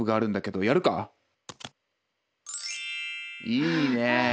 「いいね。